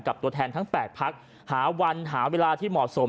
ตัวแทนทั้ง๘พักหาวันหาเวลาที่เหมาะสม